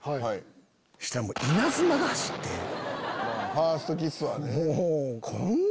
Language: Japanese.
ファーストキスはね。